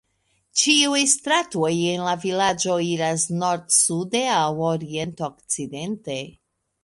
Ĉiuj stratoj en la vilaĝo iras nord-sude aŭ orient-okcidente.